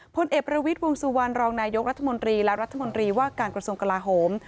พลเอกประวิทย์วงสุวรรณรองนายกรัฐมนตรีและรัฐมนตรีว่าการกระทรวงกลาโหม